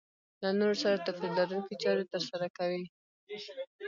له نورو سره توپير لرونکې چارې ترسره کوي.